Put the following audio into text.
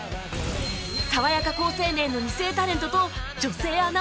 爽やか好青年の２世タレントと女性アナウンサー